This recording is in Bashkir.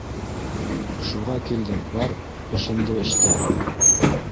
Шуға килдем, бар, эшенде эштә.